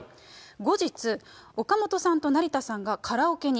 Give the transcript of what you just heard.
後日、岡本さんと成田さんがカラオケに。